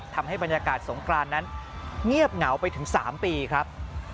ทำให้บรรยากาศสงกรานนั้นเงียบเหงาไปถึง๓ปีครับ